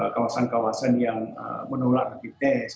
kawasan kawasan yang menolak rapid test